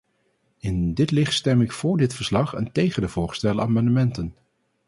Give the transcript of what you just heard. In dit licht stem ik voor dit verslag en tegen de voorgestelde amendementen.